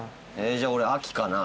えじゃあ俺秋かな。